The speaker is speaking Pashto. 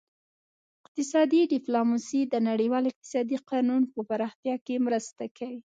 اقتصادي ډیپلوماسي د نړیوال اقتصادي قانون په پراختیا کې مرسته کوي